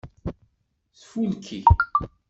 Tfulki.